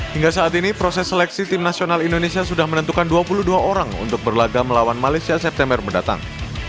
hingga saat ini proses seleksi tim nasional indonesia sudah menentukan dua puluh dua orang untuk berlaga melawan malaysia september mendatang